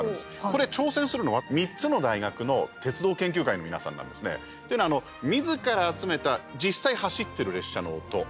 これ挑戦するのは３つの大学の鉄道研究会の皆さんなんですね。というのは、みずから集めた実際走っている列車の音